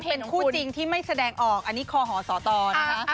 เป็นคู่จริงที่ไม่แสดงออกอันนี้คอหอสตนะคะ